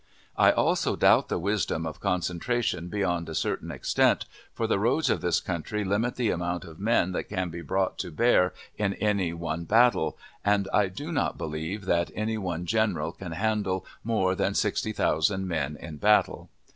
I also doubt the wisdom of concentration beyond a certain extent, for the roads of this country limit the amount of men that can be brought to bear in any one battle, and I do not believe that any one general can handle more than sixty thousand men in battle.